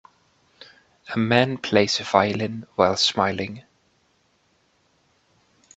A man plays a violin while smiling.